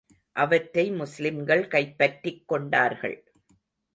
அவற்றை முஸ்லிம்கள் கைப்பற்றிக் கொண்டார்கள்.